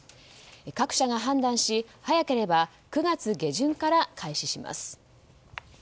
各社が判断し早ければ９月下旬から開始します。